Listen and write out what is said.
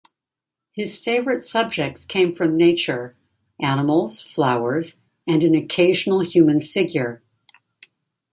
His favorite subjects came from nature: animals, flowers, and an occasional human figure.